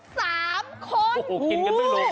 กินกันตึงลง